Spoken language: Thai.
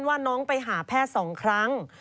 ว่าน้องไปหาแพทย์๒ครั้ง